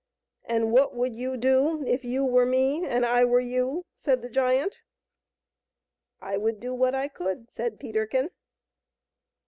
" And what would you do if you were me and I were you ?" said the giant. " I would do what I could," said Peterkin.